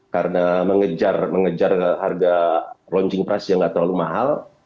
karena mengejar harga launching price yang nggak terlalu mahal